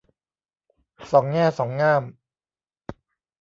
สองแง่สองง่าม